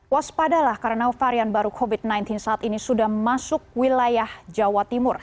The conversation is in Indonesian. waspadalah karena varian baru covid sembilan belas saat ini sudah masuk wilayah jawa timur